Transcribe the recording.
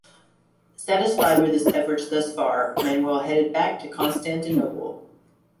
Satisfied with his efforts thus far, Manuel headed back to Constantinople.